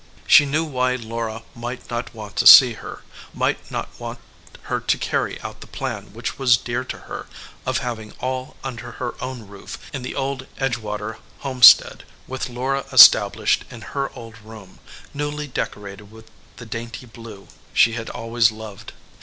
She knew why Laura might not want to see her, might not want her to carry out the plan which was dear to her, of having all under her own roof in the old Edge water home stead, with Laura established in her old room, newly decorated with the dainty blue she had always loved.